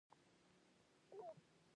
د امریکا د متحد ایلااتو کمپنۍ فعالیت کوي.